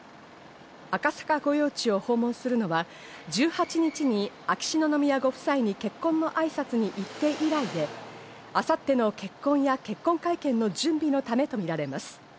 赤坂御用地を訪問するのは１８日に秋篠宮ご夫妻に結婚の挨拶に行って以来で、明後日の結婚や結婚会見の準備のためとみられます。